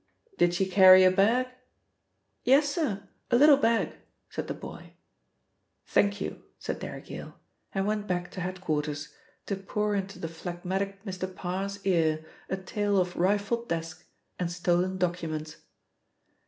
"Did she carry a bag?" "Yes, sir. A little bag," said the boy. "Thank you," said Derrick Yale, and went back to head quarters, to pour into the phlegmatic Mr. Parr's ear a tale of rifled desk and stolen documents.